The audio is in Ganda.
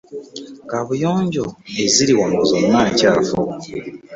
Kaabuyonjo eziri wano zonna nkyafu.